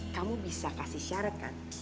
kamu bisa kasih syarat kan